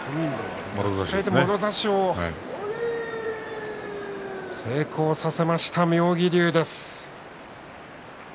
もろ差しを成功させました妙義龍です。